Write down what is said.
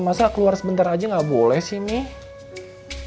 masa keluar sebentar aja gak boleh sih ming